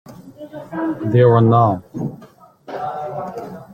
There were none.